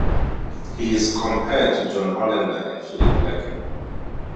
He is compared to John Hollander and Philip Larkin.